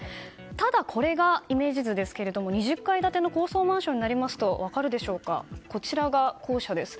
ただ、これがイメージ図ですが２０階建ての高層マンションになりますとこちらが校舎です。